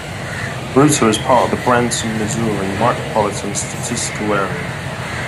Rueter is part of the Branson, Missouri Micropolitan Statistical Area.